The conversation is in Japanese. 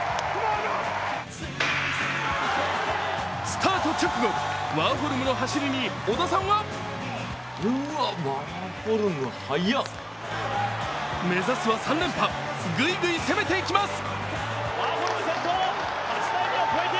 スタート直後、ワーホルムの走りに織田さんは目指すは３連覇、ぐいぐい攻めていきます。